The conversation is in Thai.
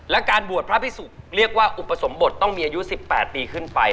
และการบวชพระพิสุกเรียกว่าอุปสมบทต้องมีอายุ๑๘ปีขึ้นไป